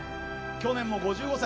去年も５５歳。